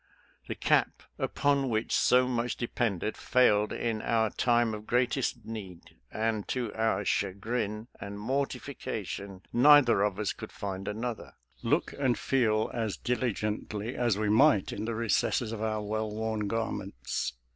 The cap upon which so much de pended failed in our time of greatest need, and, to our chagrin and mortification, neither of us could find another, look and feel as diligently as we might in the recesses of our well worn gar ments.